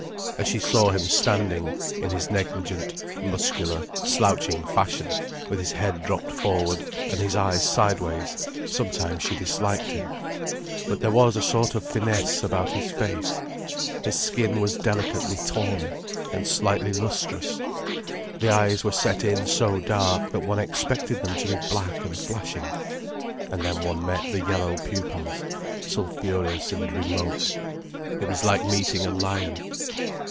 As she saw him standing, in his negligent, muscular, slouching fashion, with his head dropped forward, and his eyes sideways, sometimes she disliked him. But there was a sort of finesse about his face. His skin was delicately tawny, and slightly lustrous. The eyes were set in so dark, that one expected them to be black and flashing. And then one met the yellow pupils, sulphureous and remote. It was like meeting a lion.